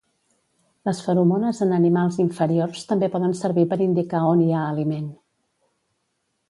Les feromones en animals inferiors també poden servir per indicar on hi ha aliment